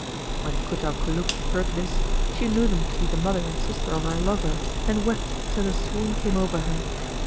When Kut al Kulub heard this, she knew them to be the mother and sister of her lover and wept till a swoon came over her.